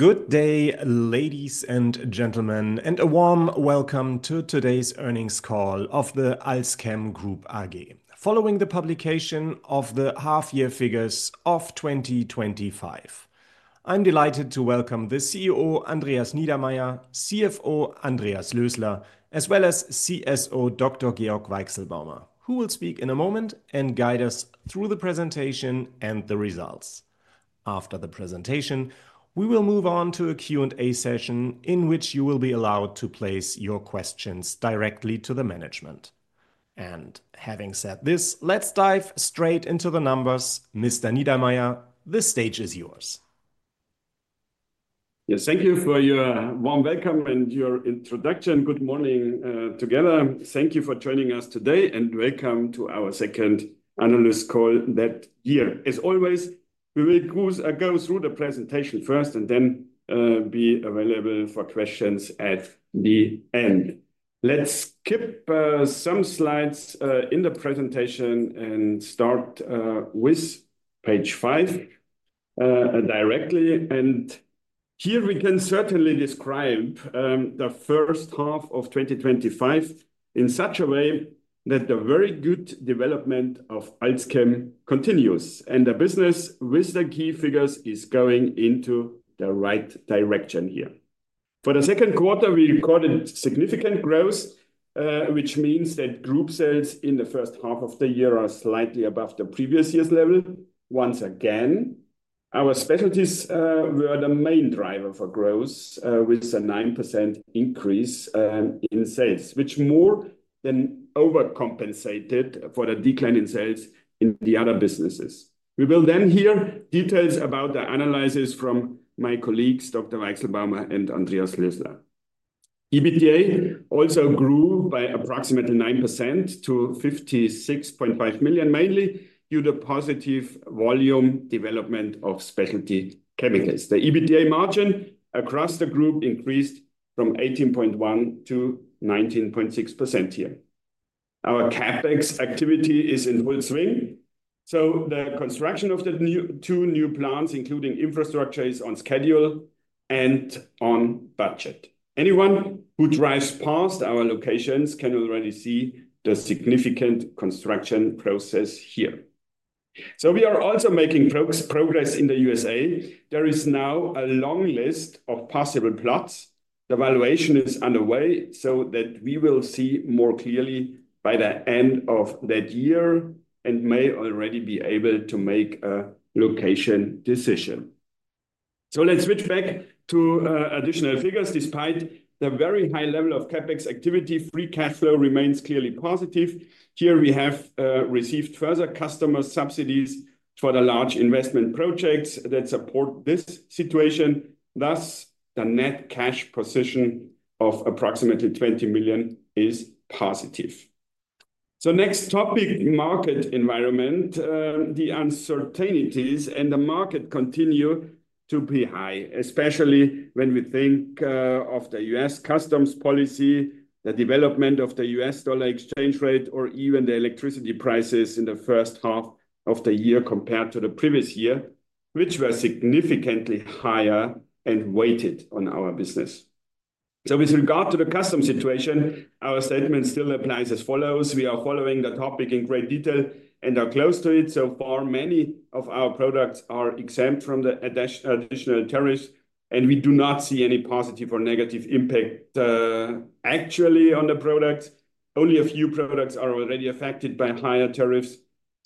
Good day, ladies and gentlemen, and a warm welcome to today's earnings call of Alzchem Group AG. Following the publication of the half-year figures of 2025, I'm delighted to welcome the CEO, Andreas Niedermaier, CFO, Andreas Lösler, as well as CSO, Dr. Georg Weichselbaumer, who will speak in a moment and guide us through the presentation and the results. After the presentation, we will move on to a Q&A session in which you will be allowed to place your questions directly to the management. And having said this, let's dive straight into the numbers. Mr. Niedermaier, the stage is yours. Yes, thank you for your warm welcome and your introduction. Good morning together. Thank you for joining us today and welcome to our second analyst call that year. As always, we will go through the presentation first and then be available for questions at the end. Let's keep some slides in the presentation and start with page five directly. Here we can certainly describe the first half of 2025 in such a way that the very good development of Alzchem continues and the business with the key figures is going in the right direction here. For the second quarter, we recorded significant growth, which means that group sales in the first half of the year are slightly above the previous year's level. Once again, our specialties were the main driver for growth with a 9% increase in sales, which more than overcompensated for the decline in sales in the other businesses. We will then hear details about the analysis from my colleagues, Dr. Weichselbaumer and Andreas Lösler. EBITDA also grew by approximately 9% to 56.5 million, mainly due to positive volume development of specialty chemicals. The EBITDA margin across the group increased from 18.1%-19.6% here. Our CapEx activity is in full swing, so the construction of the two new plants, including infrastructure, is on schedule and on budget. Anyone who drives past our locations can already see the significant construction process here. We are also making progress in the U.S.A. There is now a long list of possible plots. The valuation is underway so that we will see more clearly by the end of that year and may already be able to make a location decision. Let's switch back to additional figures. Despite the very high level of CapEx activity, free cash flow remains clearly positive. Here we have received further customer subsidies for the large investment projects that support this situation. Thus, the net cash position of approximately 20 million is positive. Next topic, market environment. The uncertainties in the market continue to be high, especially when we think of the U.S. customs policy, the development of the U.S. dollar exchange rate, or even the electricity prices in the first half of the year compared to the previous year, which were significantly higher and weighted on our business. With regard to the customs situation, our statement still applies as follows. We are following the topic in great detail and are close to it. So far, many of our products are exempt from the additional tariffs, and we do not see any positive or negative impact, actually on the products. Only a few products are already affected by higher tariffs,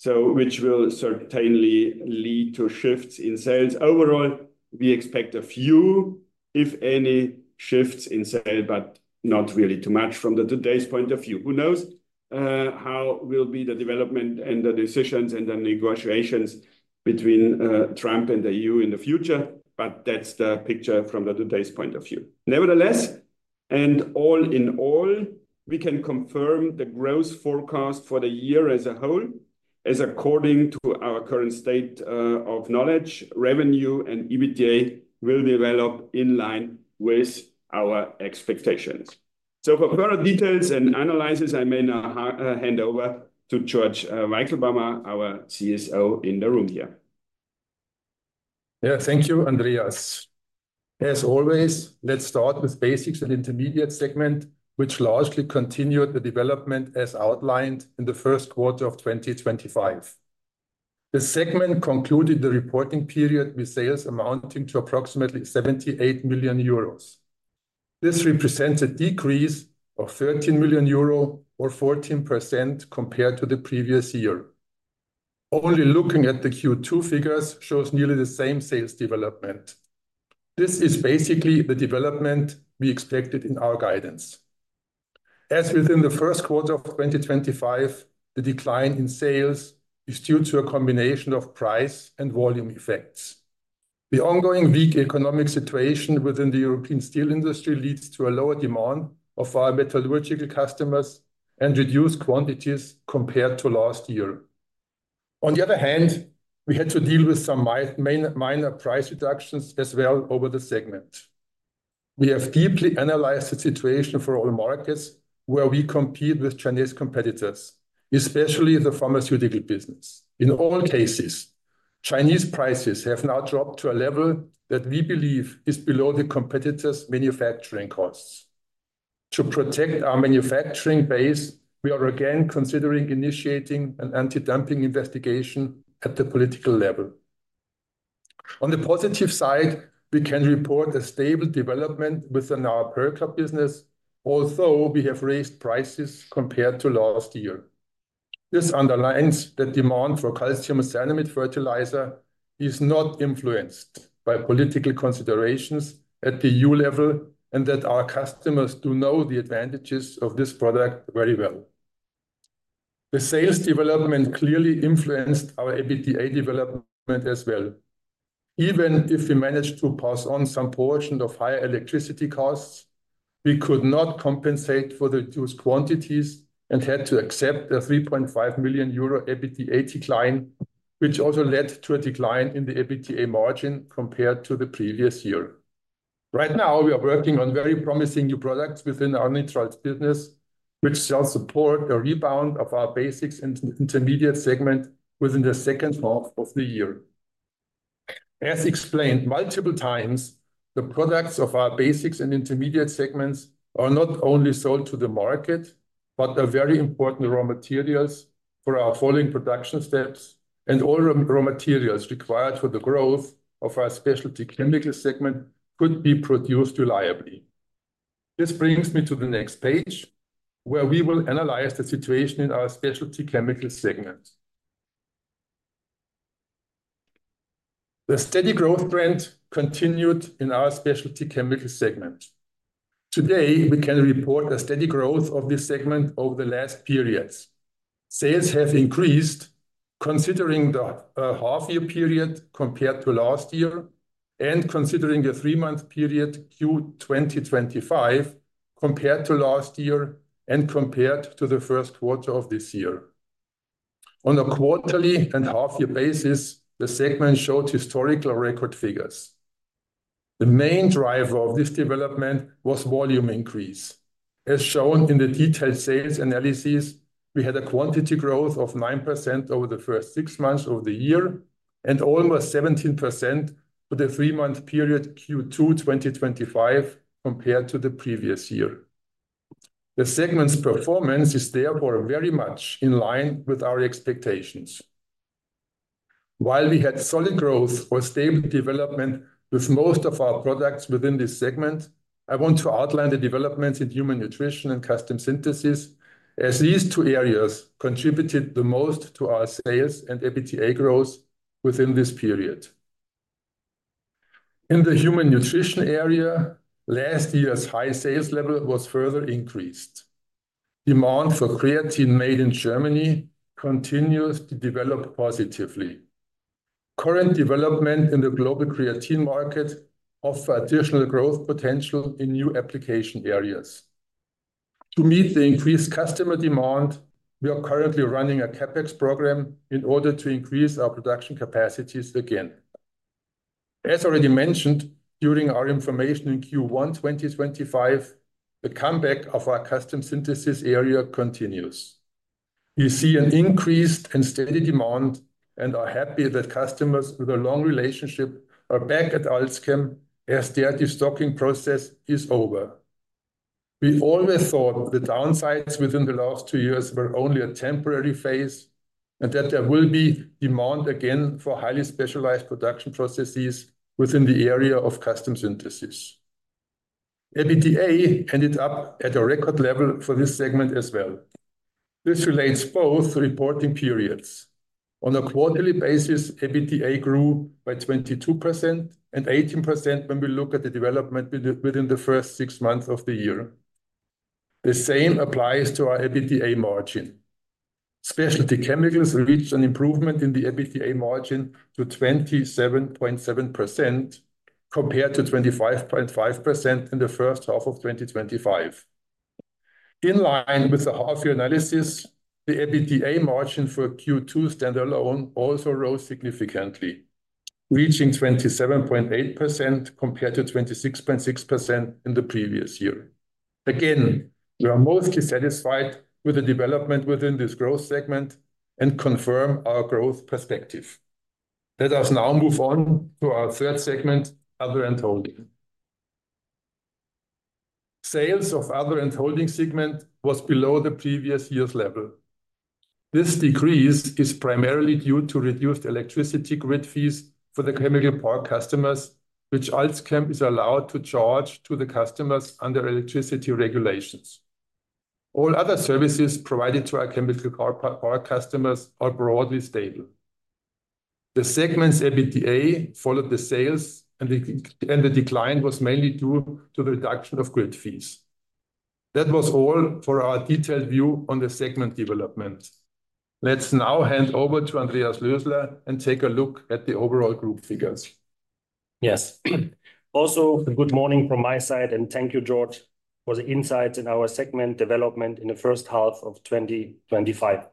which will certainly lead to shifts in sales. Overall, we expect a few, if any, shifts in sales, but not really too much from today's point of view. Who knows how the development and the decisions and the negotiations between Trump and the EU in the future, but that's the picture from today's point of view. Nevertheless, all in all, we can confirm the growth forecast for the year as a whole, as according to our current state of knowledge, revenue and EBITDA will develop in line with our expectations. For further details and analysis, I may now hand over to Georg Weichselbaumer, our CSO in the room here. Yeah, thank you, Andreas. As always, let's start with basics of the intermediate segment, which largely continued the development as outlined in the first quarter of 2025. This segment concluded the reporting period with sales amounting to approximately 78 million euros. This represents a decrease of 13 million euro or 14% compared to the previous year. Only looking at the Q2 figures shows nearly the same sales development. This is basically the development we expected in our guidance. As within the first quarter of 2025, the decline in sales is due to a combination of price and volume effects. The ongoing weak economic situation within the European steel industry leads to a lower demand of our metallurgical customers and reduced quantities compared to last year. On the other hand, we had to deal with some minor price reductions as well over the segment. We have deeply analyzed the situation for all markets where we compete with Chinese competitors, especially in the pharmaceutical business. In all cases, Chinese prices have now dropped to a level that we believe is below the competitors' manufacturing costs. To protect our manufacturing base, we are again considering initiating an anti-dumping investigation at the political level. On the positive side, we can report a stable development within our Perlka business, although we have raised prices compared to last year. This underlines that demand for calcium cyanamide fertilizer is not influenced by political considerations at the EU level and that our customers do know the advantages of this product very well. The sales development clearly influenced our EBITDA development as well. Even if we managed to pass on some portion of higher electricity costs, we could not compensate for the reduced quantities and had to accept a 3.5 million euro EBITDA decline, which also led to a decline in the EBITDA margin compared to the previous year. Right now, we are working on very promising new products within our NITRALZ business, which shall support a rebound of our basics and intermediates segment within the second half of the year. As explained multiple times, the products of our Basics and Intermediates segments are not only sold to the market, but they're very important raw materials for our following production steps, and all raw materials required for the growth of our Specialty Chemicals segment couldn't be produced reliably. This brings me to the next page where we will analyze the situation in our Specialty Chemicals segment. The steady growth trend continued in our Specialty Chemicals segment. Today, we can report a steady growth of this segment over the last period. Sales have increased considering the half-year period compared to last year and considering the three-month period Q 2025 compared to last year and compared to the first quarter of this year. On a quarterly and half-year basis, the segment showed historical record figures. The main driver of this development was volume increase. As shown in the detailed sales analysis, we had a quantity growth of 9% over the first six months of the year and almost 17% for the three-month period Q2 2025 compared to the previous year. The segment's performance is therefore very much in line with our expectations. While we had solid growth for stable development with most of our products within this segment, I want to outline the developments in human nutrition and custom synthesis, as these two areas contributed the most to our sales and EBITDA growth within this period. In the human nutrition area, last year's high sales level was further increased. Demand for creatine made in Germany continues to develop positively. Current development in the global creatine market offers additional growth potential in new application areas. To meet the increased customer demand, we are currently running a CapEx program in order to increase our production capacities again. As already mentioned during our information in Q1 2025, the comeback of our custom synthesis area continues. We see an increase in steady demand and are happy that customers with a long relationship are back at Alzchem as their destocking process is over. We always thought the downsides within the last two years were only a temporary phase and that there will be demand again for highly specialized production processes within the area of custom synthesis. EBITDA ended up at a record level for this segment as well. This relates both to reporting periods. On a quarterly basis, EBITDA grew by 22% and 18% when we look at the development within the first six months of the year. The same applies to our EBITDA margin. Specialty Chemicals reached an improvement in the EBITDA margin to 27.7% compared to 25.5% in the first half of 2023. In line with the half-year analysis, the EBITDA margin for Q2 standalone also rose significantly, reaching 27.8% compared to 26.6% in the previous year. Again, we are mostly satisfied with the development within this growth segment and confirm our growth perspective. Let us now move on to our third segment, other endholding. Sales of other endholding segment was below the previous year's level. This decrease is primarily due to reduced electricity grid fees for the chemical power customers, which Alzchem is allowed to charge to the customers under electricity regulations. All other services provided to our chemical power customers are broadly stable. The segment's EBITDA followed the sales, and the decline was mainly due to the reduction of grid fees. That was all for our detailed view on the segment development. Let's now hand over to Andreas Lösler and take a look at the overall group figures. Yes, also good morning from my side, and thank you, Georg, for the insights in our segment development in the first half of 2025.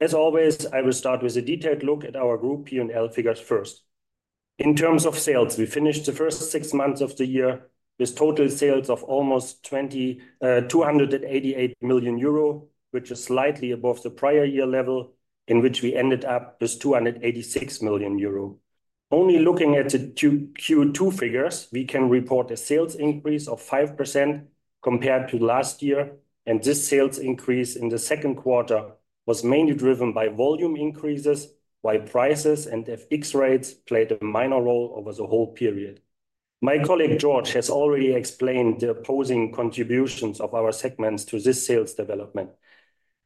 As always, I will start with a detailed look at our group P&L figures first. In terms of sales, we finished the first six months of the year with total sales of almost 288 million euro, which is slightly above the prior year level in which we ended up with 286 million euro. Only looking at the Q2 figures, we can report a sales increase of 5% compared to last year, and this sales increase in the second quarter was mainly driven by volume increases, while prices and FX rates played a minor role over the whole period. My colleague Georg has already explained the opposing contributions of our segments to this sales development.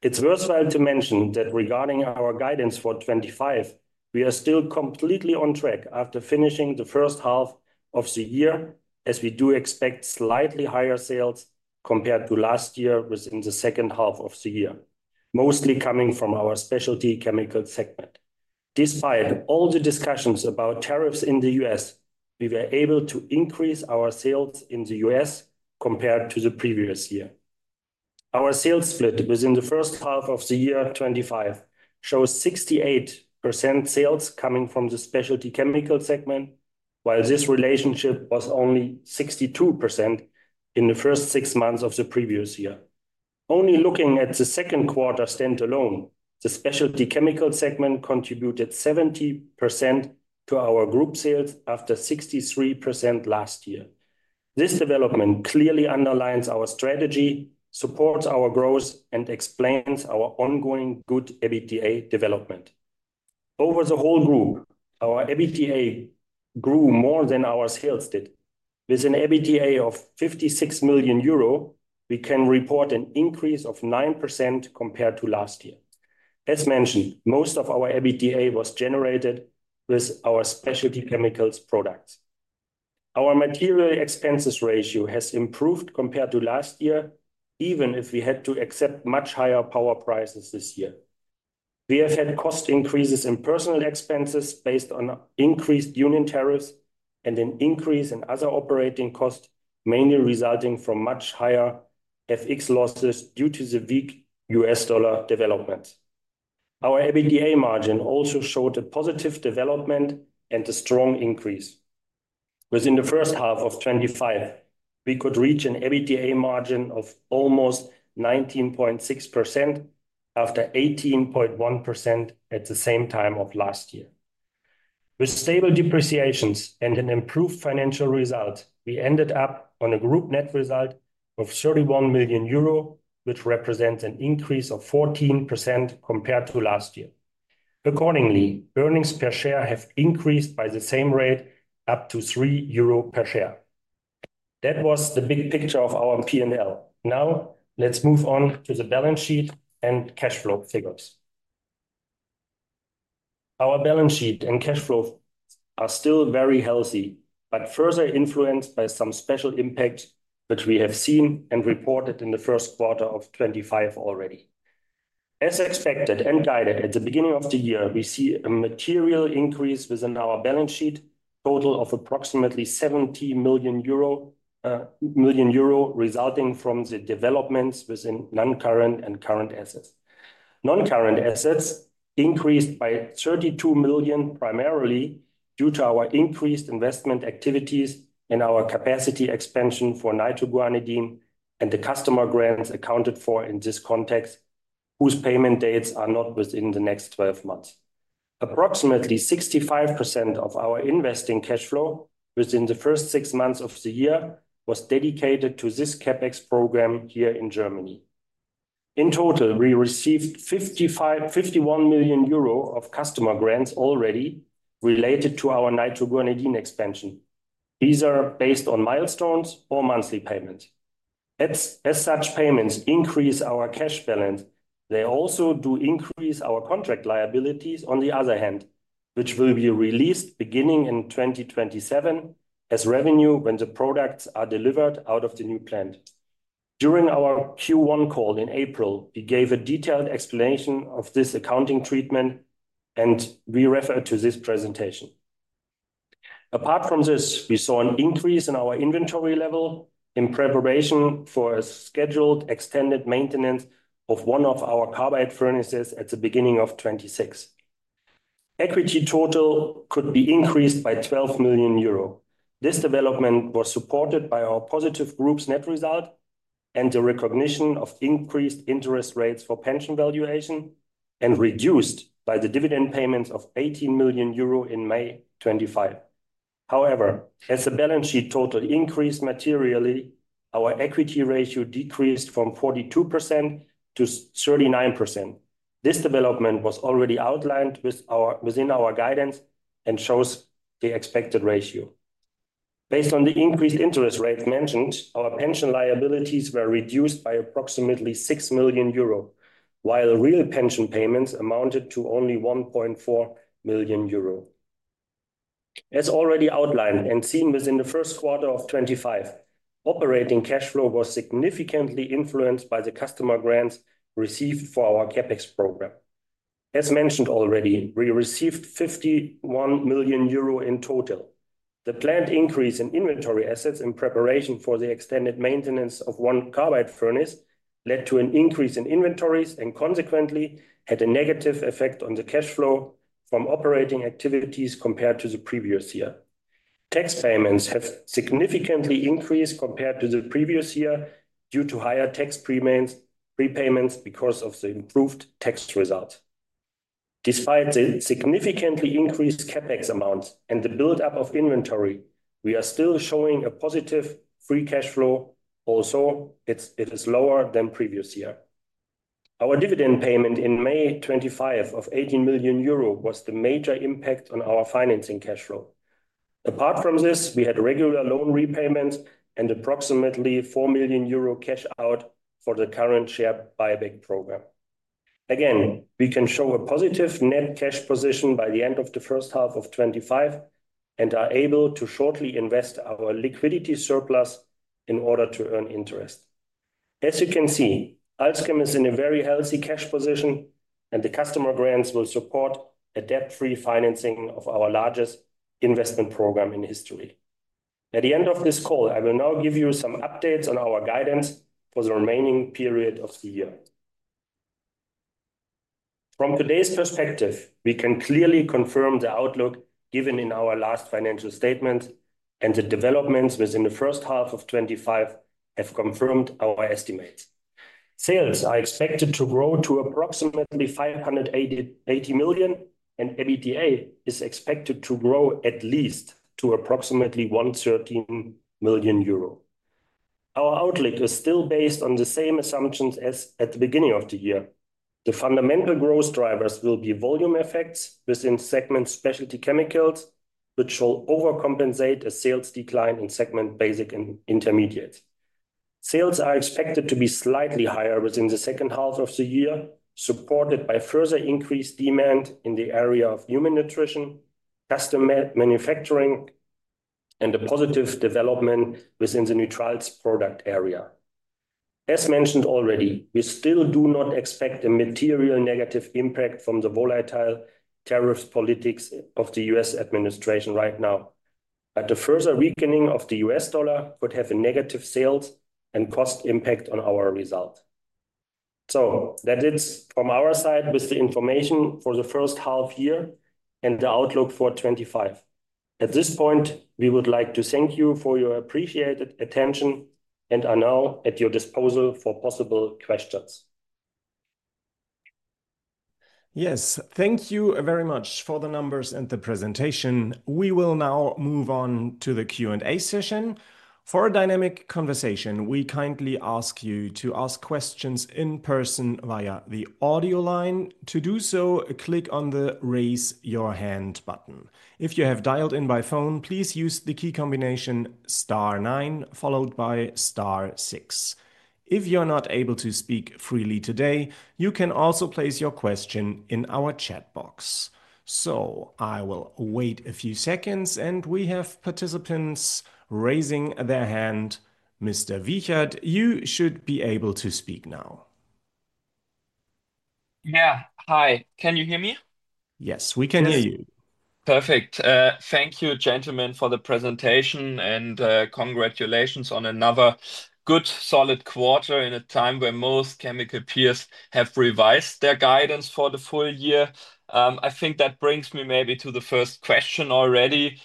It's worthwhile to mention that regarding our guidance for 2025, we are still completely on track after finishing the first half of the year, as we do expect slightly higher sales compared to last year within the second half of the year, mostly coming from our Specialty Chemicals segment. Despite all the discussions about tariffs in the U.S., we were able to increase our sales in the U.S. compared to the previous year. Our sales split within the first half of the year 2025 shows 68% sales coming from the Specialty Chemicals segment, while this relationship was only 62% in the first six months of the previous year. Only looking at the second quarter standalone, the Specialty Chemicals segment contributed 70% to our group sales after 63% last year. This development clearly underlines our strategy, supports our growth, and explains our ongoing good EBITDA development. Over the whole group, our EBITDA grew more than our sales did. With an EBITDA of 56 million euro, we can report an increase of 9% compared to last year. As mentioned, most of our EBITDA was generated with our Specialty Chemicals products. Our material expenses ratio has improved compared to last year, even if we had to accept much higher power prices this year. We have had cost increases in personnel expenses based on increased union tariffs and an increase in other operating costs, mainly resulting from much higher FX losses due to the weak U.S. dollar development. Our EBITDA margin also showed a positive development and a strong increase. Within the first half of 2025, we could reach an EBITDA margin of almost 19.6% after 18.1% at the same time of last year. With stable depreciations and an improved financial result, we ended up on a group net result of 31 million euro, which represents an increase of 14% compared to last year. Accordingly, earnings per share have increased by the same rate, up to 3 euro per share. That was the big picture of our P&L. Now, let's move on to the balance sheet and cash flow figures. Our balance sheet and cash flow are still very healthy, but further influenced by some special impact that we have seen and reported in the first quarter of 2025 already. As expected and guided at the beginning of the year, we see a material increase within our balance sheet, a total of approximately 70 million euro, resulting from the developments within non-current and current assets. Non-current assets increased by 32 million, primarily due to our increased investment activities and our capacity expansion for nitroguanidine and the customer grants accounted for in this context, whose payment dates are not within the next 12 months. Approximately 65% of our investing cash flow within the first six months of the year was dedicated to this CapEx program here in Germany. In total, we received 51 million euro of customer grants already related to our nitroguanidine expansion. These are based on milestones or monthly payments. As such payments increase our cash balance, they also do increase our contract liabilities on the other hand, which will be released beginning in 2027 as revenue when the products are delivered out of the new plant. During our Q1 call in April, we gave a detailed explanation of this accounting treatment, and we refer to this presentation. Apart from this, we saw an increase in our inventory level in preparation for a scheduled extended maintenance of one of our carbide furnaces at the beginning of 2026. Equity total could be increased by 12 million euro. This development was supported by our positive group's net result and the recognition of increased interest rates for pension valuation and reduced by the dividend payments of 18 million euro in May 2025. However, as the balance sheet total increased materially, our equity ratio decreased from 42%-39%. This development was already outlined within our guidance and shows the expected ratio. Based on the increased interest rate mentioned, our pension liabilities were reduced by approximately 6 million euro, while real pension payments amounted to only 1.4 million euro. As already outlined and seen within the first quarter of 2025, operating cash flow was significantly influenced by the customer grants received for our CapEx program. As mentioned already, we received 51 million euro in total. The planned increase in inventory assets in preparation for the extended maintenance of one carbide furnace led to an increase in inventories and consequently had a negative effect on the cash flow from operating activities compared to the previous year. Tax payments have significantly increased compared to the previous year due to higher tax prepayments because of the improved tax results. Despite the significantly increased CapEx amounts and the buildup of inventory, we are still showing a positive free cash flow, also, it is lower than the previous year. Our dividend payment in May 2025 of 18 million euro was the major impact on our financing cash flow. Apart from this, we had regular loan repayments and approximately 4 million euro cash out for the current share buyback program. Again, we can show a positive net cash position by the end of the first half of 2025 and are able to shortly invest our liquidity surplus in order to earn interest. As you can see, Alzchem is in a very healthy cash position, and the customer grants will support a debt-free financing of our largest investment program in history. At the end of this call, I will now give you some updates on our guidance for the remaining period of the year. From today's perspective, we can clearly confirm the outlook given in our last financial statements, and the developments within the first half of 2025 have confirmed our estimates. Sales are expected to grow to approximately €580 million, and EBITDA is expected to grow at least to approximately 113 million euro. Our outlook is still based on the same assumptions as at the beginning of the year. The fundamental growth drivers will be volume effects within segment Specialty Chemicals, which will overcompensate a sales decline in segment Basic and Intermediate. Sales are expected to be slightly higher within the second half of the year, supported by further increased demand in the area of human nutrition, custom manufacturing, and a positive development within the neutral product area. As mentioned already, we still do not expect a material negative impact from the volatile tariff politics of the U.S. administration right now, but the further weakening of the U.S. dollar could have a negative sales and cost impact on our result. That is it from our side with the information for the first half year and the outlook for 2025. At this point, we would like to thank you for your appreciated attention and are now at your disposal for possible questions. Yes, thank you very much for the numbers and the presentation. We will now move on to the Q&A session. For a dynamic conversation, we kindly ask you to ask questions in person via the audio line. To do so, click on the "Raise Your Hand" button. If you have dialed in by phone, please use the key combination star nine followed by star six. If you are not able to speak freely today, you can also place your question in our chat box. I will wait a few seconds, and we have participants raising their hand. Mr. Wichert, you should be able to speak now. Yeah, Hi. Can you hear me? Yes, we can hear you. Perfect. Thank you, gentlemen, for the presentation, and congratulations on another good solid quarter in a time where most chemical peers have revised their guidance for the full year. I think that brings me maybe to the first question already.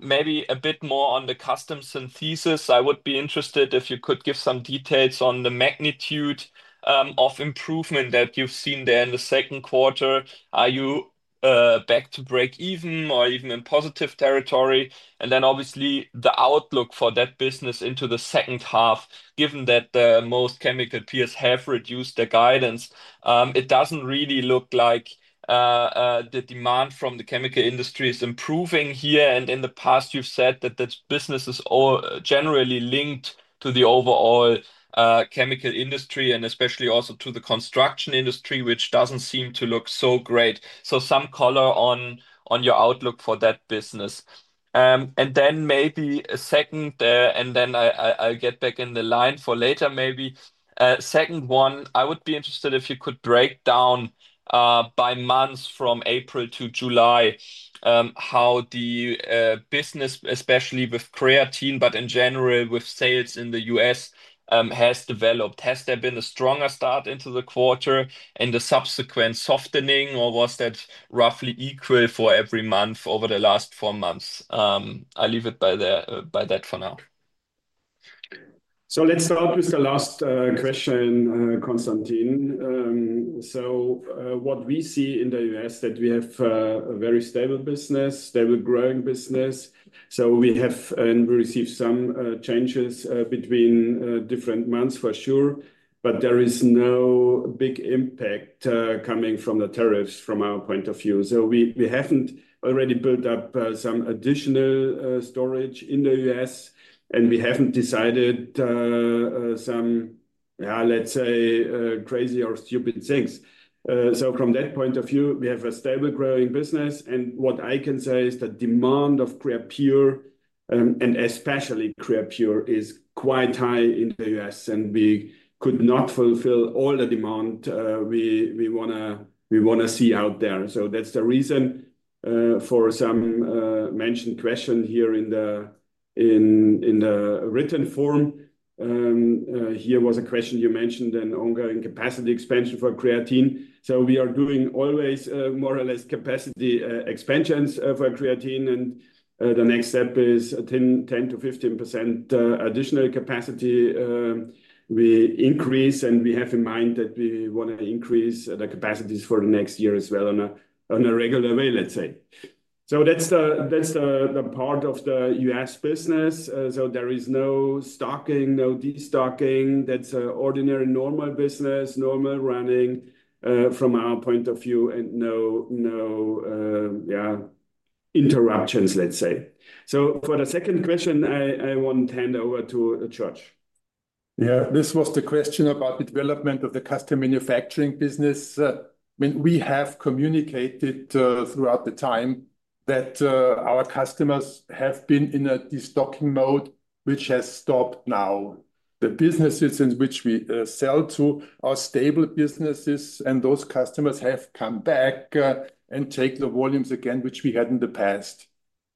Maybe a bit more on the custom synthesis. I would be interested if you could give some details on the magnitude of improvement that you've seen there in the second quarter. Are you back to break even or even in positive territory? Obviously, the outlook for that business into the second half, given that most chemical peers have reduced their guidance, it doesn't really look like the demand from the chemical industry is improving here. In the past, you've said that this business is all generally linked to the overall chemical industry and especially also to the construction industry, which doesn't seem to look so great. So some color on your outlook for that business. And then maybe a second, and then I'll get back in the line for later, maybe. Second one, I would be interested if you could break down by months from April to July how the business, especially with creatine, but in general with sales in the U.S., has developed. Has there been a stronger start into the quarter and the subsequent softening, or was that roughly equal for every month over the last four months? I'll leave it by that for now. So let's start with the last question, Consantine. So, what we see in the U.S. is that we have a very stable business, stable-growing business. So, we have received some changes between different months for sure, but there is no big impact coming from the tariffs from our point of view. So, we haven't already built up some additional storage in the U.S., and we haven't decided some, yeah, let's say crazy or stupid things. So from that point of view, we have a stable growing business. What I can say is that the demand of Creapure, and especially Creapure, is quite high in the U.S., and we could not fulfill all the demand we want to see out there. So that's the reason for some mentioned questions here in the written form. Here was a question you mentioned, an ongoing capacity expansion for creatine. We are doing always more or less capacity expansions for creatine, and the next step is 10%-15% additional capacity we increase, and we have in mind that we want to increase the capacities for the next year as well on a regular way, let's say. So that's the part of the U.S. business. So there is no stocking, no destocking. That's an ordinary, normal business, normal running from our point of view, and no, no, yeah, interruptions, let's say. So for the second question, I want to hand over to Georg. Yeah, this was the question about the development of the custom manufacturing business. We have communicated throughout the time that our customers have been in a destocking mode, which has stopped now. The businesses in which we sell to are stable businesses, and those customers have come back and taken the volumes again, which we had in the past.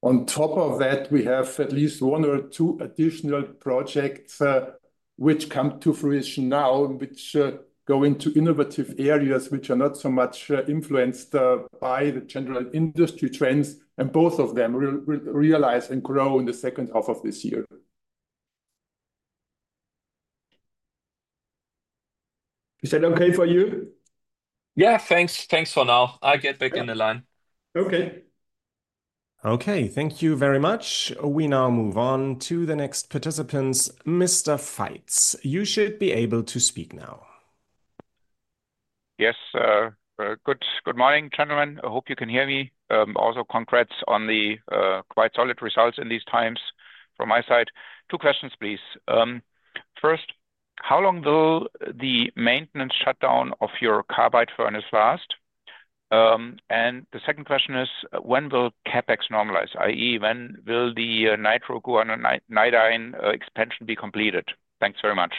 On top of that, we have at least one or two additional projects which come to fruition now, which go into innovative areas which are not so much influenced by the general industry trends, and both of them will realize and grow in the second half of this year. Is that okay for you? Yeah, thanks. Thanks for now. I'll get back in the line. Okay. Okay, thank you very much. We now move on to the next participant, Mr. Fites. You should be able to speak now. Yes, good morning, gentlemen. I hope you can hear me. Also, congrats on the quite solid results in these times from my side. Two questions, please. First, how long will the maintenance shutdown of your carbide furnace last? The second question is, when will CapEx normalize, i.e., when will the nitroguanidine expansion be completed? Thanks very much.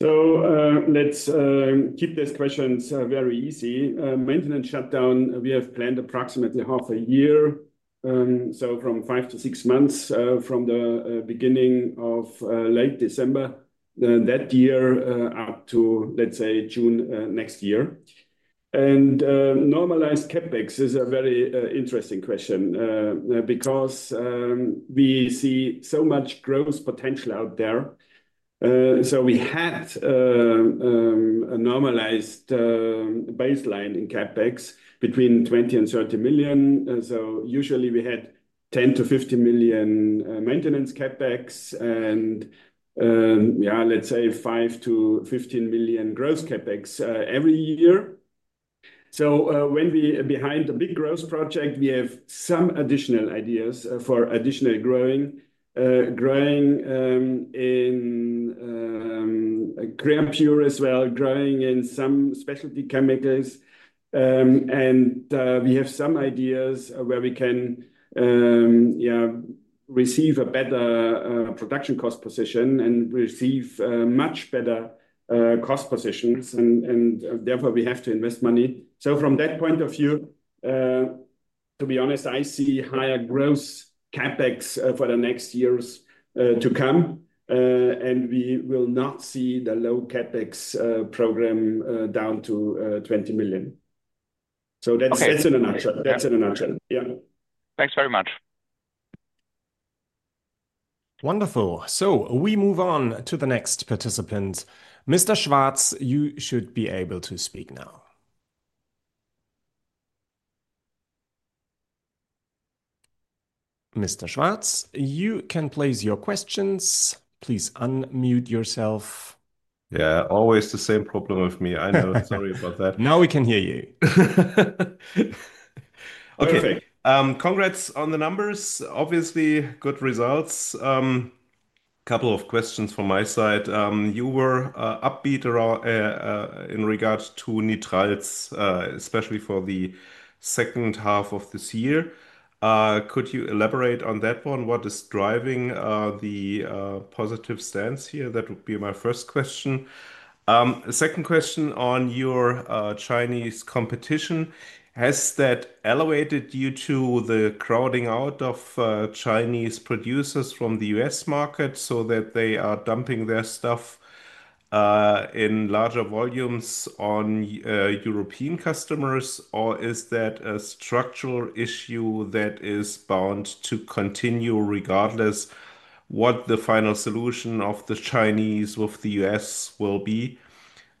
Let's keep these questions very easy. Maintenance shutdown, we have planned approximately half a year, so from 5-6 months from the beginning of late December that year up to, let's say, June next year. And normalized CapEx is a very interesting question because we see so much growth potential out there. So we had a normalized baseline in CapEx between 20 million and 30 million. Usually, we had 10 million-15 million maintenance CapEx and, yeah, let's say 5 million-15 million gross CapEx every year. So when we are behind a big growth project, we have some additional ideas for additional growing, growing in Creapure as well, growing in some Specialty Chemicals. And we have some ideas where we can, yeah, receive a better production cost position and receive much better cost positions, and therefore, we have to invest money. From that point of view, to be honest, I see higher gross CapEx for the next years to come, and we will not see the low CapEx program down to 20 million. That's in a nutshell. That's in a nutshell. Yeah. Thanks very much. Wonderful. So we move on to the next participant. Mr. Schwarz, you should be able to speak now. Mr. Schwarz, you can place your questions. Please unmute yourself. Yeah, always the same problem with me. I know. Sorry about that. Now we can hear you. Okay. Congrats on the numbers. Obviously, good results. A couple of questions from my side. You were upbeat in regards to NITRALZ, especially for the second half of this year. Could you elaborate on that one? What is driving the positive stance here? That would be my first question. Second question on your Chinese competition. Has that allied you to the crowding out of Chinese producers from the U.S. market so that they are dumping their stuff in larger volumes on European customers? Or is that a structural issue that is bound to continue regardless of what the final solution of the Chinese with the U.S. will be?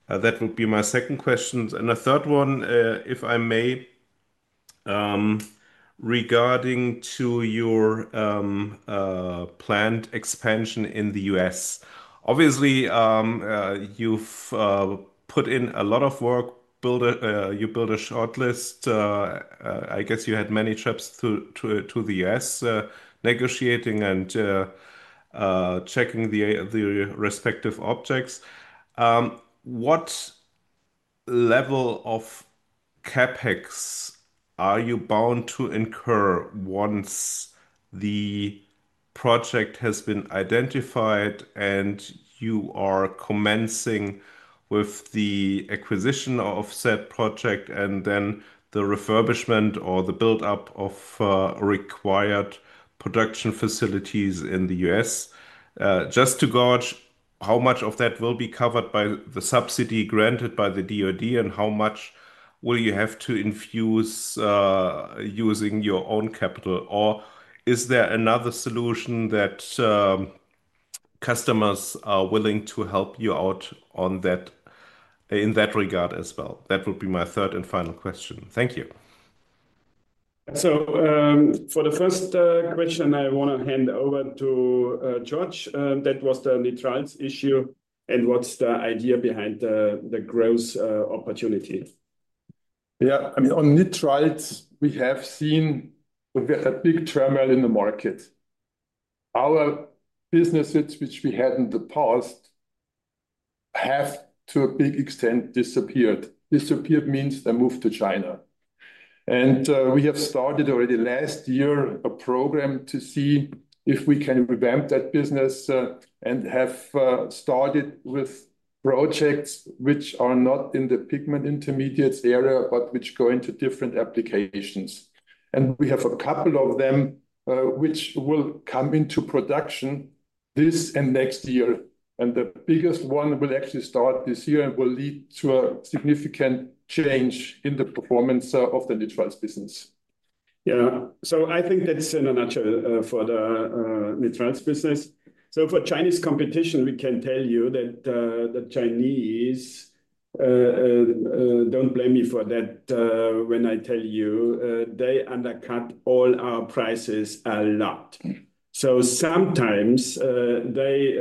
That would be my second question. The third one, if I may, regarding your planned expansion in the U.S. Obviously, you've put in a lot of work. You built a shortlist. I guess you had many trips to the U.S., negotiating and checking the respective objects. What level of CapEx are you bound to incur once the project has been identified and you are commencing with the acquisition of said project and then the refurbishment or the build-up of required production facilities in the U.S.? Just to gauge how much of that will be covered by the subsidy granted by the DOD and how much will you have to infuse using your own capital. Is there another solution that customers are willing to help you out in that regard as well? That would be my third and final question. Thank you. So for the first question, I want to hand over to Georg Weichselbaumer. That was the NITRALZ issue and what's the idea behind the growth opportunity? Yeah, I mean, on NITRALZ, we have seen a very big turmoil in the market. Our businesses, which we had in the past, have to a big extent disappeared. Disappeared means they moved to China. We have started already last year a program to see if we can revamp that business and have started with projects which are not in the pigment intermediates area, but which go into different applications. We have a couple of them which will come into production this and next year. The biggest one will actually start this year and will lead to a significant change in the performance of the NITRALZ business. Yeah, I think that is in a nutshell for the NITRALZ business. For Chinese competition, we can tell you that the Chinese, don't blame me for that, when I tell you, they undercut all our prices a lot. Sometimes they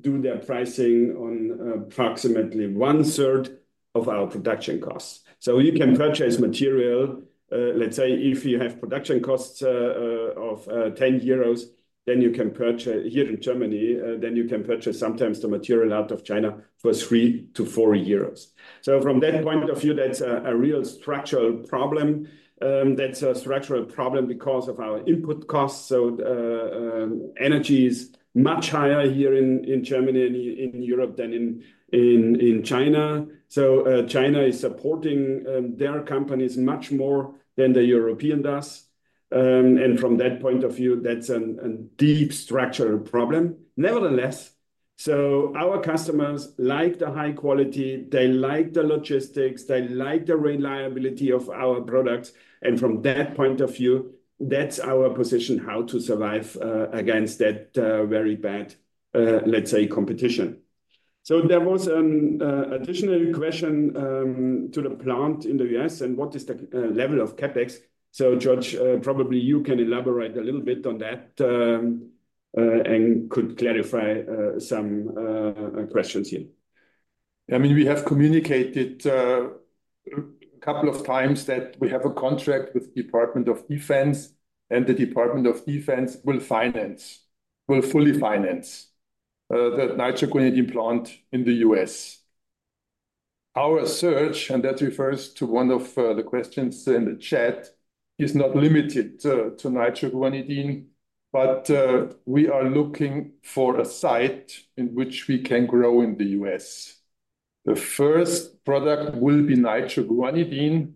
do their pricing on approximately one-third of our production costs. So you can purchase material, let's say if you have production costs of 10 euros, then you can purchase here in Germany, then you can purchase sometimes the material out of China for 3-4 euros. From that point of view, that's a real structural problem. That's a structural problem because of our input costs. Energy is much higher here in Germany and in Europe than in China. So China is supporting their companies much more than the European does. And from that point of view, that's a deep structural problem. Nevertheless, our customers like the high quality, they like the logistics, they like the reliability of our products. From that point of view, that's our position how to survive against that very bad, let's say, competition. So there was an additional question to the plant in the U.S. and what is the level of CapEx? So, Georg, probably you can elaborate a little bit on that and could clarify some questions here. Yeah, I mean, we have communicated a couple of times that we have a contract with the Department of Defense and the Department of Defense will finance, will fully finance the nitroguanidine plant in the U.S. Our search, and that refers to one of the questions in the chat, is not limited to nitroguanidine, but we are looking for a site in which we can grow in the US. The first product will be nitroguanidine,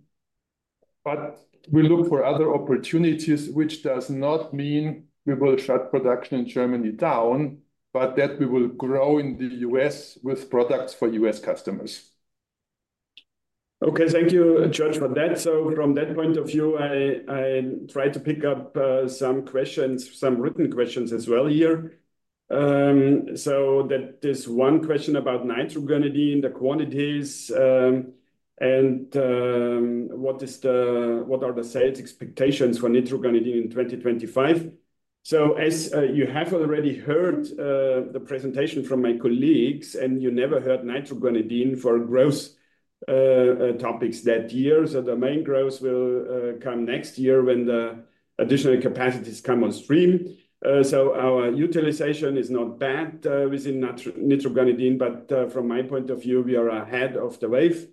but we look for other opportunities, which does not mean we will shut production in Germany down, but that we will grow in the U.S. with products for U.S. customers. Okay, thank you, Georg, for that. From that point of view, I tried to pick up some questions, some written questions as well here. There's one question about nitroguanidine, the quantities, and what are the sales expectations for nitroguanidine in 2025? As you have already heard the presentation from my colleagues, and you never heard nitroguanidine for growth topics that year, the main growth will come next year when the additional capacities come on stream. So our utilization is not bad within nitroguanidine, but from my point of view, we are ahead of the wave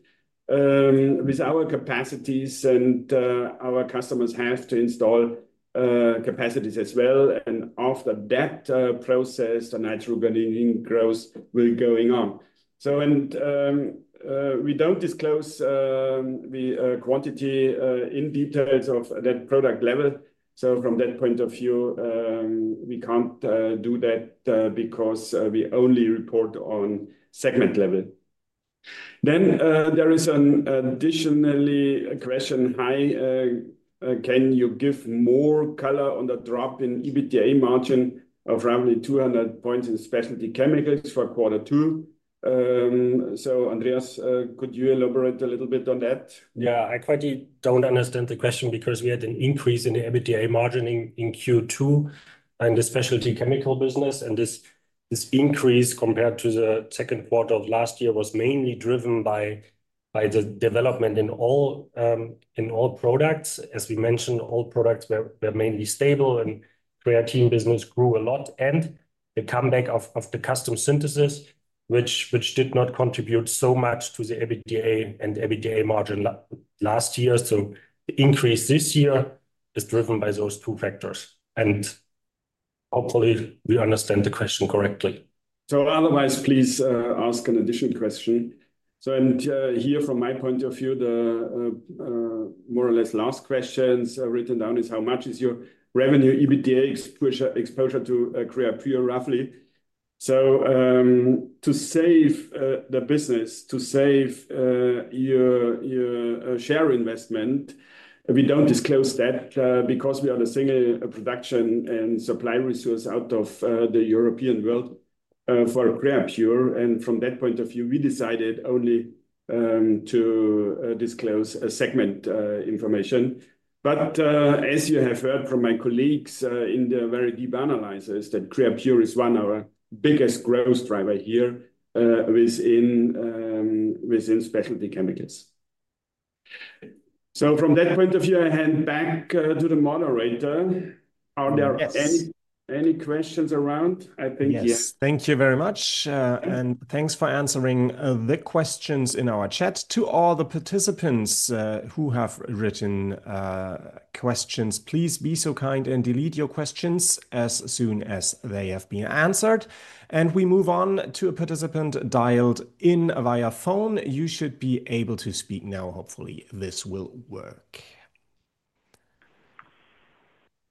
with our capacities and our customers have to install capacities as well. After that process, the nitroguanidine growth will go on. We don't disclose the quantity in details of that product level. From that point of view, we can't do that because we only report on segment level. Then there is an additional question. Hi, can you give more color on the drop in EBITDA margin of roughly 200 points in Specialty Chemicals for quarter two? So, Andreas, could you elaborate a little bit on that? I quite don't understand the question because we had an increase in the EBITDA margin in Q2 in the Specialty Chemicals business, and this increase compared to the second quarter of last year was mainly driven by the development in all products. As we mentioned, all products were mainly stable and creatine business grew a lot. The comeback of the custom synthesis, which did not contribute so much to the EBITDA and EBITDA margin last year, also played a role. The increase this year is driven by those two factors. And hopefully, we understand the question correctly. Otherwise, please ask an additional question. From my point of view, the more or less last question written down is how much is your revenue EBITDA exposure to Creapure roughly? So to save the business, to save your share investment, we don't disclose that because we are the single production and supply resource out of the European world for Creapure. From that point of view, we decided only to disclose segment information. But as you have heard from my colleagues in the very deep analysis, Creapure is one of our biggest growth drivers here within Specialty Chemicals. From that point of view, I hand back to the moderator. Are there any questions around? I think, yes. Yes, thank you very much. Thank you for answering the questions in our chat. To all the participants who have written questions, please be so kind and delete your questions as soon as they have been answered. And we move on to a participant dialed in via phone. You should be able to speak now. Hopefully, this will work.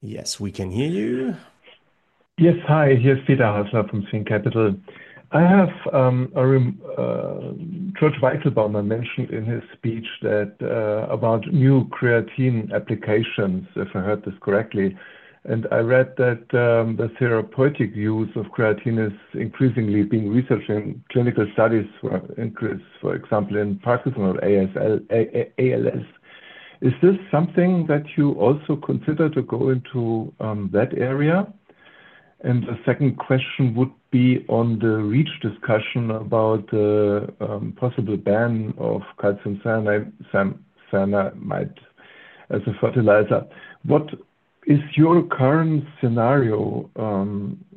Yes, we can hear you. Yes, hi. Here's Peter Halsner from Swing Capital. I have a room. Dr. Weichselbaumer mentioned in his speech about new creatine applications, if I heard this correctly. I read that the therapeutic use of creatine is increasingly being researched in clinical studies, for example, in Parkinson's or ALS. Is this something that you also consider to go into that area? The second question would be on the REACH discussion about the possible ban of calcium cyanide as a fertilizer. What is your current scenario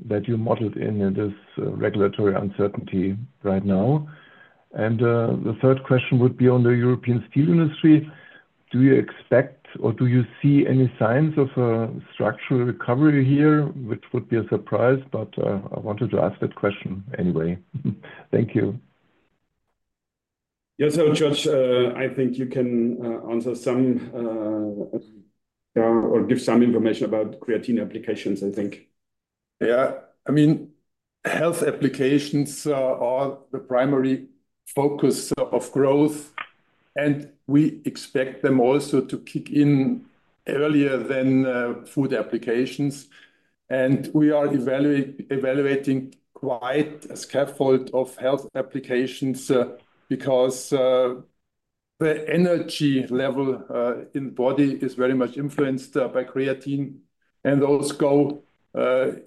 that you modeled in this regulatory uncertainty right now? And the third question would be on the European steel industry. Do you expect or do you see any signs of a structural recovery here, which would be a surprise, but I wanted to ask that question anyway. Thank you. Yeah, so Georg, I think you can answer some, or give some information about creatine applications, I think. Health applications are the primary focus of growth. We expect them also to kick in earlier than food applications. We are evaluating quite a scaffold of health applications because the energy level in the body is very much influenced by creatine. Those go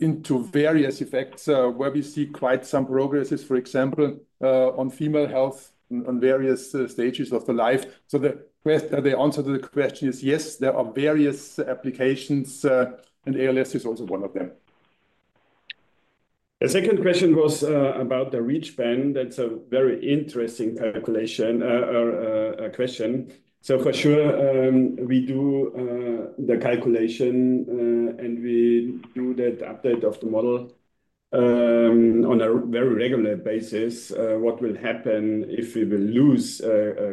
into various effects where we see quite some progresses, for example, on female health and on various stages of the life. The answer to the question is yes, there are various applications, and ALS is also one of them. The second question was about the REACH ban. That's a very interesting calculation or question. For sure, we do the calculation, and we do that update of the model on a very regular basis. What will happen if we will lose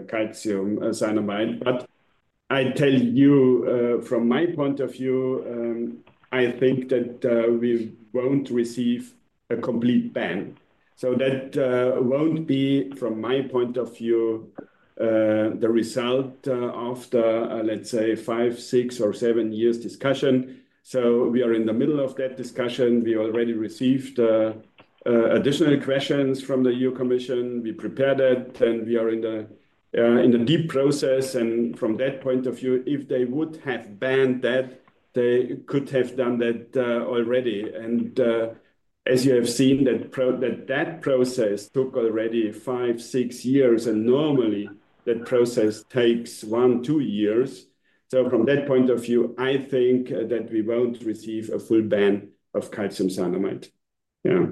calcium cyanide? I tell you, from my point of view, I think that we won't receive a complete ban. That won't be, from my point of view, the result after, let's say, five, six, or seven years' discussion. So we are in the middle of that discussion. We already received additional questions from the EU Commission. We prepared it, and we are in the deep process. And from that point of view, if they would have banned that, they could have done that already. As you have seen, that process took already five, six years, and normally that process takes one, two years. So from that point of view, I think that we won't receive a full ban of calcium cyanide. Yeah.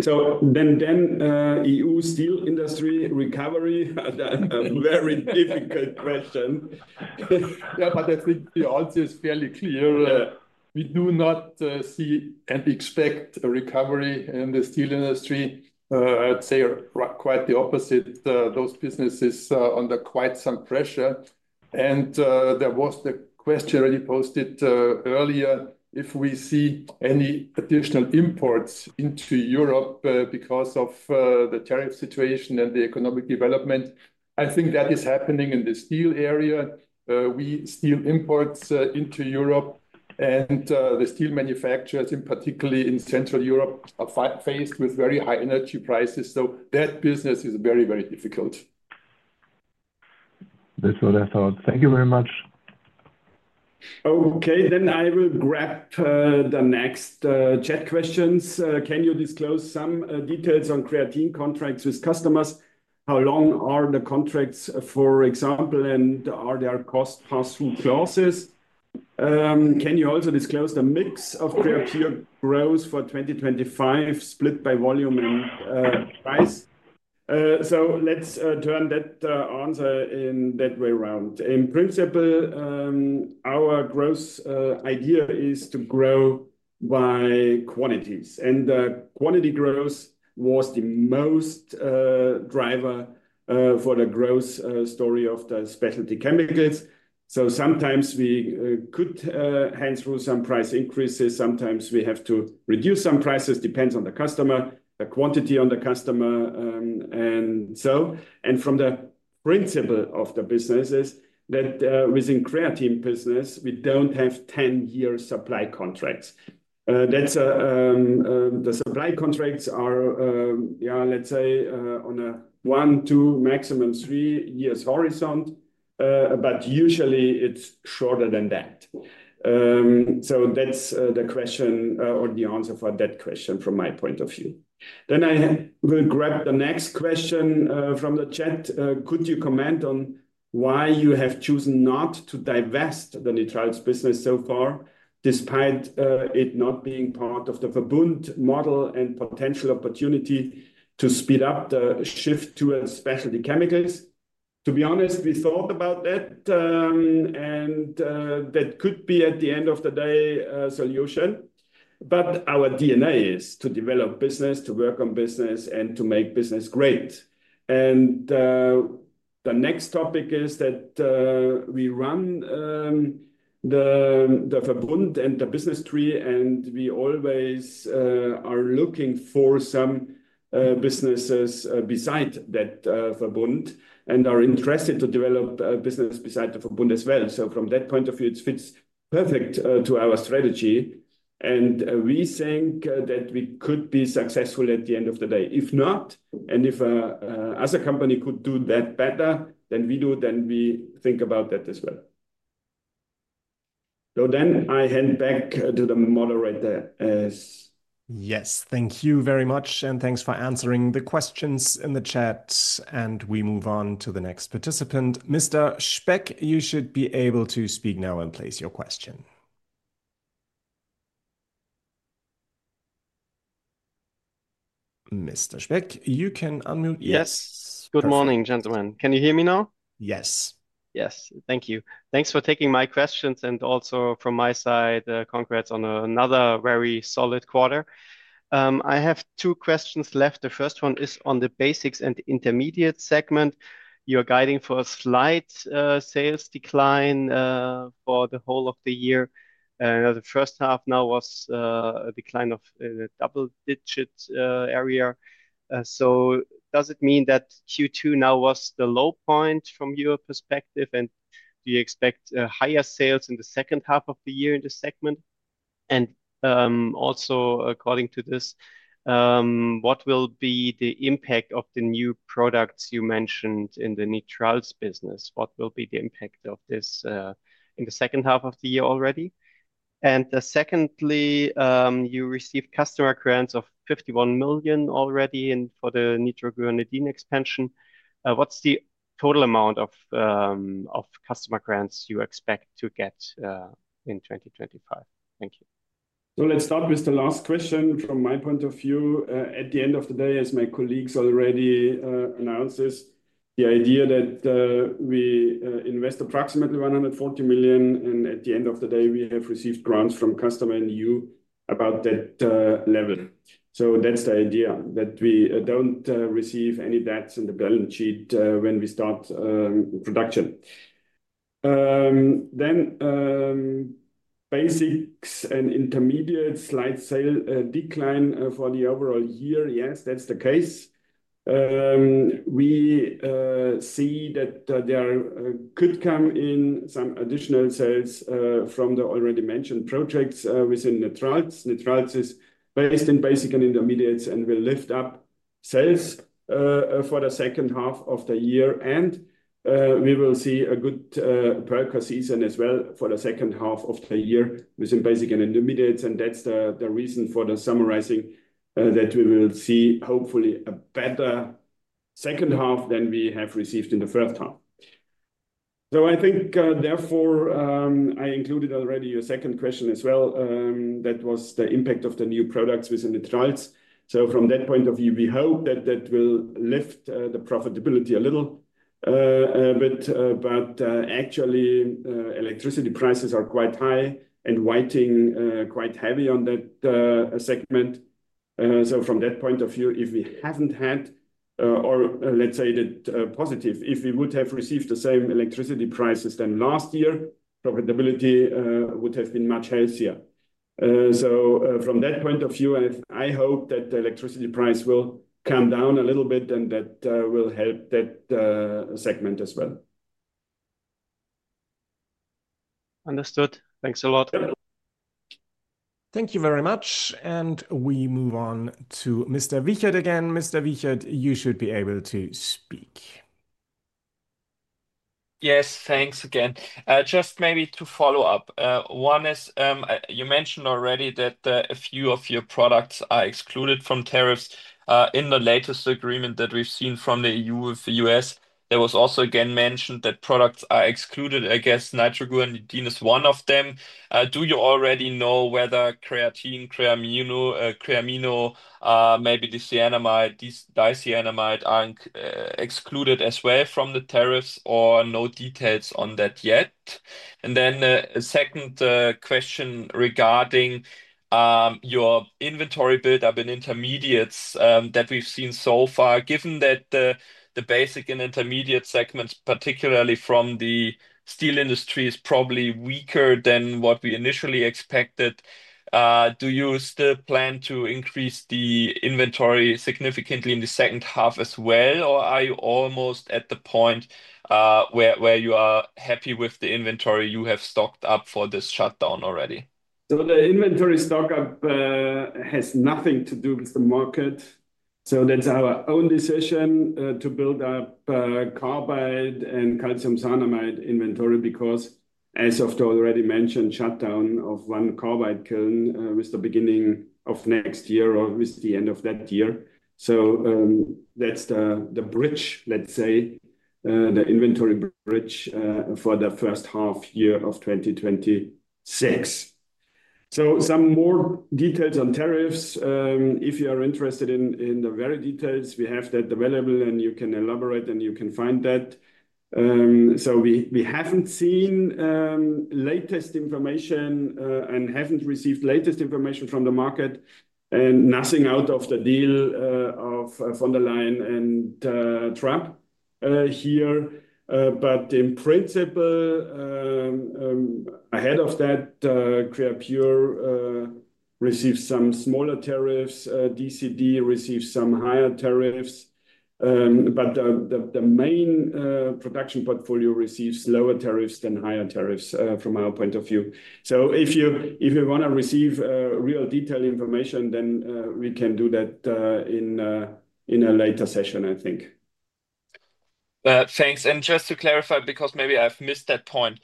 Then EU steel industry recovery, a very difficult question. I think the answer is fairly clear. We do not see and expect a recovery in the steel industry. I'd say quite the opposite. Those businesses are under quite some pressure. There was a question already posted earlier. If we see any additional imports into Europe because of the tariff situation and the economic development, I think that is happening in the steel area. We see imports into Europe, and the steel manufacturers, particularly in Central Europe, are faced with very high energy prices. That business is very, very difficult. That's what I thought. Thank you very much. Okay, then I will grab the next chat questions. Can you disclose some details on creatine contracts with customers? How long are the contracts, for example, and are there cost pass-through clauses? Can you also disclose the mix of Creapure growth for 2025, split by volume and price? So let's turn that answer in that way around. In principle, our growth idea is to grow by quantities. And quantity growth was the most driver for the growth story of the Specialty Chemicals. Sometimes we could hand through some price increases. Sometimes we have to reduce some prices. It depends on the customer, the quantity on the customer. From the principle of the business, within creatine business, we don't have 10-year supply contracts. The supply contracts are, let's say, on a one, two, maximum three years horizont, but usually it's shorter than that. That's the answer for that question from my point of view. I will grab the next question from the chat. Could you comment on why you have chosen not to divest the NITRALZ business so far, despite it not being part of the Verbund model and potential opportunity to speed up the shift towards Specialty Chemicals? To be honest, we thought about that, and that could be at the end of the day a solution. Our DNA is to develop business, to work on business, and to make business great. And the next topic is that we run the Verbund and the business tree, and we always are looking for some businesses beside that Verbund and are interested to develop business beside the Verbund as well. From that point of view, it fits perfectly to our strategy. We think that we could be successful at the end of the day. If not, and if another company could do that better than we do, we think about that as well. I hand back to the moderator. Yes, thank you very much, and thanks for answering the questions in the chat. We move on to the next participant. Mr. Speck, you should be able to speak now and place your question. Mr. Speck, you can unmute. Yes, good morning, gentlemen. Can you hear me now? Yes. Yes, thank you. Thanks for taking my questions, and also from my side, congrats on another very solid quarter. I have two questions left. The first one is on the basics and intermediate segment. You're guiding for a slight sales decline for the whole of the year. The first half now was a decline of the double-digit area. Does it mean that Q2 now was the low point from your perspective, and do you expect higher sales in the second half of the year in this segment? Also, according to this, what will be the impact of the new products you mentioned in the NITRALZ business? What will be the impact of this in the second half of the year already? Secondly, you received customer grants of 51 million already for the nitroguanidine expansion. What's the total amount of customer grants you expect to get in 2025? Thank you. Let's start with the last question. From my point of view, at the end of the day, as my colleagues already announced this, the idea that we invest approximately 140 million, and at the end of the day, we have received grants from customer and you about that level. That's the idea that we don't receive any debts in the balance sheet when we start production. Basics and intermediates, slight sale decline for the overall year. Yes, that's the case. We see that there could come in some additional sales from the already mentioned projects within NITRALZ. NITRALZ is based in basic and intermediates, and will lift up sales for the second half of the year. And we will see a good Perlka season as well for the second half of the year within basic and intermediates. That's the reason for the summarizing that we will see hopefully a better second half than we have received in the first half. I think therefore, I included already your second question as well. That was the impact of the new products within NITRALZ. From that point of view, we hope that will lift the profitability a little bit. Actually, electricity prices are quite high and weighting quite heavy on that segment. From that point of view, if we haven't had, or let's say that positive, if we would have received the same electricity prices than last year, profitability would have been much healthier. So from that point of view, I hope that the electricity price will come down a little bit, and that will help that segment as well. Understood. Thanks a lot. Thank you very much. And we move on to Mr. Wichert again. Mr. Wichert, you should be able to speak. Yes, thanks again. Just maybe to follow up. One is, you mentioned already that a few of your products are excluded from tariffs in the latest agreement that we've seen from the EU with the U.S. There was also again mentioned that products are excluded. I guess nitroguanidine is one of them. Do you already know whether creatine, Creamino, maybe the cyanamide, dicyanamide are excluded as well from the tariffs, or no details on that yet? And then second question regarding your inventory build-up in intermediates that we've seen so far. Given that the basic and intermediate segments, particularly from the steel industry, are probably weaker than what we initially expected, do you still plan to increase the inventory significantly in the second half as well, or are you almost at the point where you are happy with the inventory you have stocked up for this shutdown already? The inventory stock up has nothing to do with the market. So that's our own decision to build up carbide and calcium cyanamiide inventory because, as often already mentioned, the shutdown of one carbide kiln is the beginning of next year or is the end of that year. So that's the bridge, let's say, the inventory bridge for the first half year of 2026. Some more details on tariffs. If you are interested in the very details, we have that available, and you can elaborate, and you can find that. We haven't seen latest information and haven't received latest information from the market, and nothing out of the deal of Von Der Leyen and Trump here. But in principle, ahead of that, Creapure receives some smaller tariffs. DCD receives some higher tariffs. The main production portfolio receives lower tariffs than higher tariffs from our point of view. So if you want to receive real detailed information, then we can do that in a later session, I think. Thanks. And just to clarify, because maybe I've missed that point,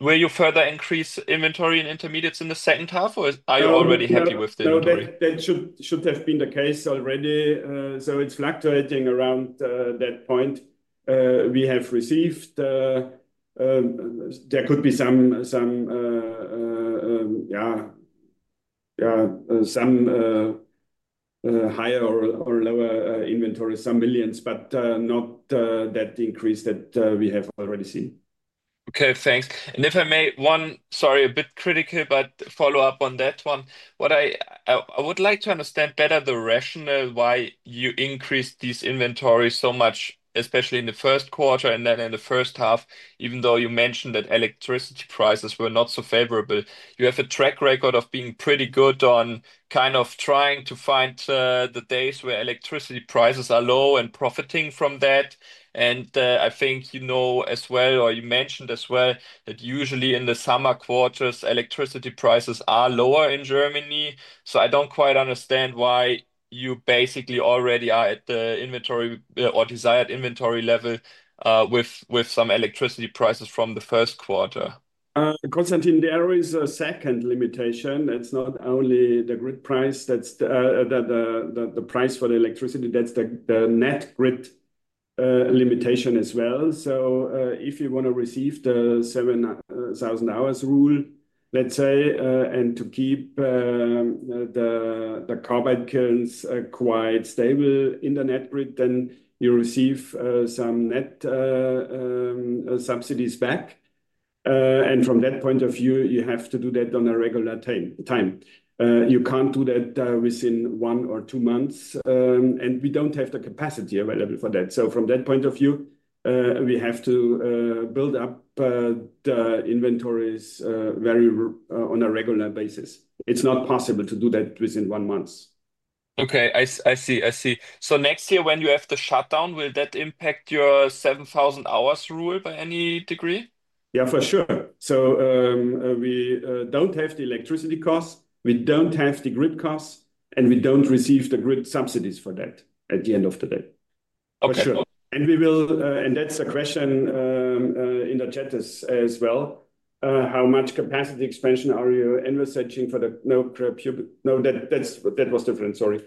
will you further increase inventory in intermediates in the second half, or are you already happy with the inventory? That should have been the case already. It's fluctuating around that point. We have received, there could be some higher or lower inventory, some millions, but not that increase that we have already seen. Okay, thanks. If I may, one, sorry, a bit critical, but follow up on that one. What I would like to understand better is the rationale why you increased these inventories so much, especially in the first quarter and then in the first half, even though you mentioned that electricity prices were not so favorable. You have a track record of being pretty good on kind of trying to find the days where electricity prices are low and profiting from that. I think you know as well, or you mentioned as well, that usually in the summer quarters, electricity prices are lower in Germany. So I don't quite understand why you basically already are at the inventory or desired inventory level with some electricity prices from the first quarter. Consantine, there is a second limitation. It's not only the grid price, that's the price for the electricity. That's the net grid limitation as well. So if you want to receive the 7,000 hours rule, let's say, and to keep the carbide kilns quite stable in the net grid, then you receive some net subsidies back. From that point of view, you have to do that on a regular time. You can't do that within one or two months, and we don't have the capacity available for that. From that point of view, we have to build up the inventories on a regular basis. It's not possible to do that within one month. Okay, I see. I see. Next year, when you have to shut down, will that impact your 7,000 hours rule by any degree? Yeah, for sure. We don't have the electricity costs, we don't have the grid costs, and we don't receive the grid subsidies for that at the end of the day, for sure. That's the question in the chat as well. How much capacity expansion are you envisaging for the—no, that was different. Sorry.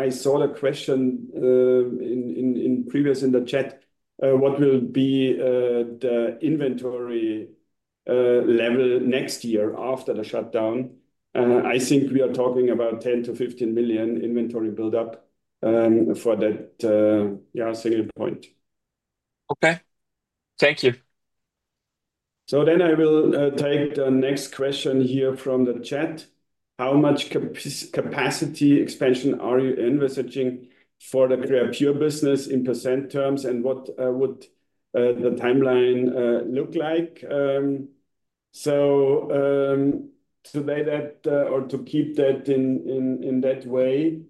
I saw the question previously in the chat. What will be the inventory level next year after the shutdown? I think we are talking about 10 million-15 million inventory build-up for that, yeah, single point. Okay, thank you. So then I will take the next question here from the chat. How much capacity expansion are you envisaging for the Creapure business in % terms, and what would the timeline look like? Today, to keep that in that way,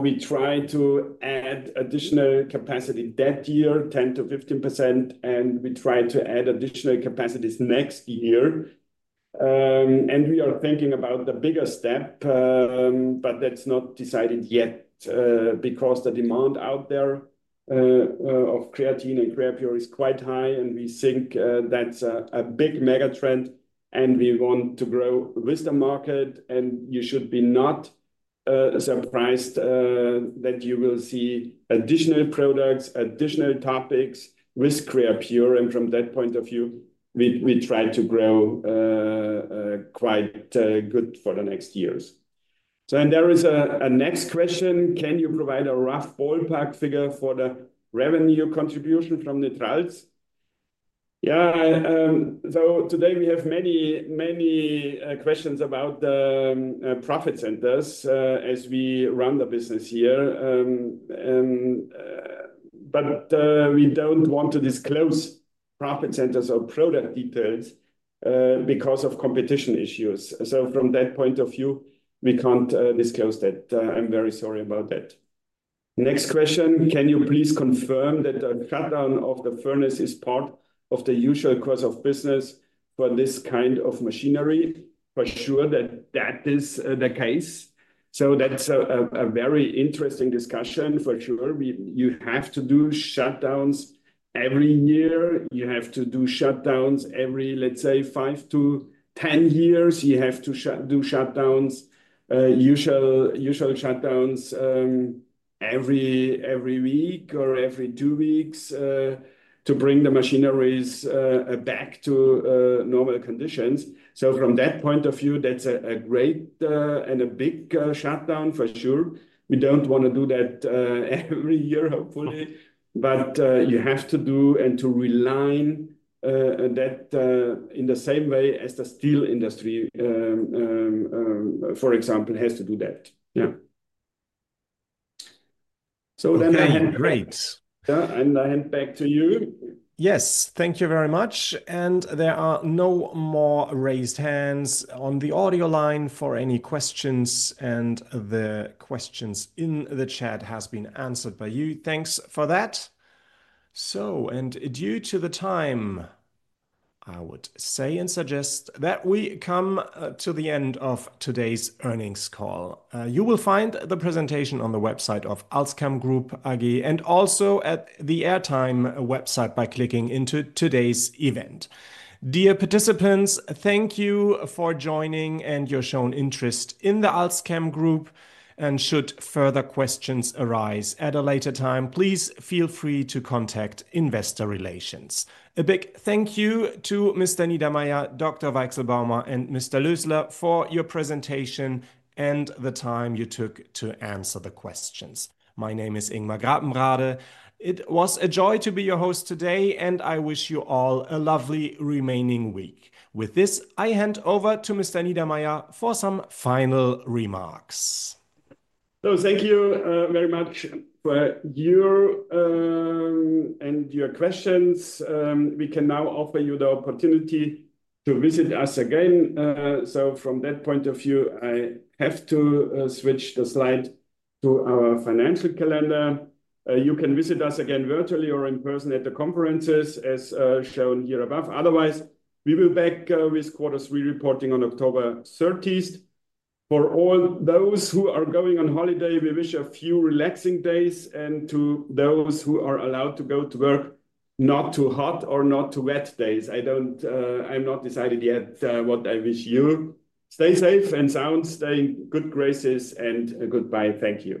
we try to add additional capacity that year, 10%-15%, and we try to add additional capacities next year. We are thinking about the bigger step, but that's not decided yet because the demand out there of creatine and Creapure is quite high, and we think that's a big megatrend, and we want to grow with the market. You should not be surprised that you will see additional products, additional topics with Creapure. From that point of view, we try to grow quite good for the next years. There is a next question. Can you provide a rough ballpark figure for the revenue contribution from NITRALZ? Today we have many, many questions about the profit centers as we run the business here. We don't want to disclose profit centers or product details because of competition issues. So from that point of view, we can't disclose that. I'm very sorry about that. Next question. Can you please confirm that the cutdown of the furnace is part of the usual course of business for this kind of machinery? For sure that is the case. That's a very interesting discussion for sure. You have to do shutdowns every year. You have to do shutdowns every, let's say, five to ten years. You have to do shutdowns, usual shutdowns every week or every two weeks to bring the machineries back to normal conditions. From that point of view, that's a great and a big shutdown for sure. We don't want to do that every year, hopefully. You have to do and to realign that in the same way as the steel industry, for example, has to do that. Thank you very much. There are no more raised hands on the audio line for any questions, and the questions in the chat have been answered by you. Thanks for that. So and due to the time, I would say and suggest that we come to the end of today's earnings call. You will find the presentation on the website of Alzchem Group AG and also at the Airtime website by clicking into today's event. Dear participants, thank you for joining and your shown interest in the Alzchem Group. Should further questions arise at a later time, please feel free to contact Investor Relations. A big thank you to Mr. Niedermaier, Dr. Weichselbaumer, and Mr. Lösler for your presentation and the time you took to answer the questions. My name is Ingmar Gartenrade. It was a joy to be your host today, and I wish you all a lovely remaining week. With this, I hand over to Mr. Niedermaier for some final remarks. Thank you very much for your questions. We can now offer you the opportunity to visit us again. From that point of view, I have to switch the slide to our financial calendar. You can visit us again virtually or in person at the conferences as shown here above. Otherwise, we will be back with quarter three reporting on October 30th. For all those who are going on holiday, we wish a few relaxing days, and to those who are allowed to go to work, not too hot or not too wet days. I'm not decided yet what I wish you. Stay safe and sound. Stay in good graces and goodbye. Thank you.